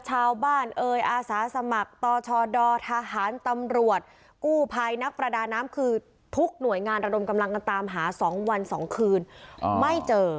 ชาวบ้านเอ่ยอาสาสมัครต่อชดทหารตำรวจกู้ภัยนักประดาน้ำคือทุกหน่วยงานระดมกำลังกันตามหา๒วัน๒คืนไม่เจอ